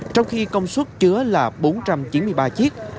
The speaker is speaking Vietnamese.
trong khi công suất chứa là bốn trăm chín mươi ba chiếc